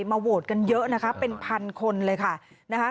มาโหวตกันเยอะนะคะเป็นพันคนเลยค่ะนะคะ